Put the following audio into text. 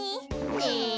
ねえ！